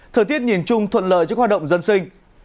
thời tiết nhìn chung thuận lợi cho hoạt động dân sinh